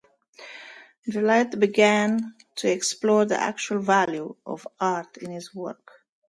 Gillette began to explore the actual value of art in his work.